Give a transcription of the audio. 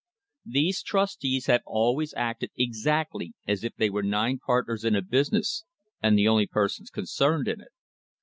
These trustees have always acted exactly as if they were nine partners in a business, and the only persons concerned in it.